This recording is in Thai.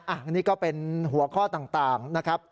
อันนี้ก็เป็นหัวข้อต่างนะครับ